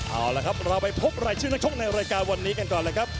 เอาละครับเราไปพบรายชื่อนักชกในรายการวันนี้กันก่อนเลยครับ